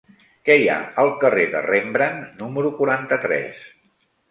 Què hi ha al carrer de Rembrandt número quaranta-tres?